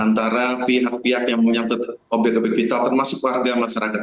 antara pihak pihak yang punya objek objek vital termasuk warga masyarakat